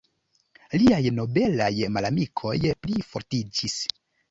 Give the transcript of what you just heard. Liaj nobelaj malamikoj plifortiĝis.